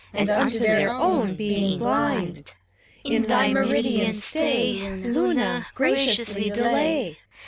And unto their own being blind. In thy meridian stay, Luna I — graciously delay.